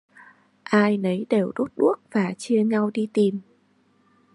Ai nấy đều đốt đuốc và chia nhau đi tìm